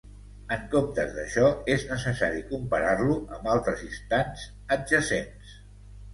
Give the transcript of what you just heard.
En comptes d'això, és necessari comparar-lo amb altres instants adjacents.